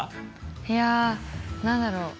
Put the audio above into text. いや何だろ。